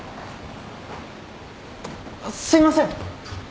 あっすいません！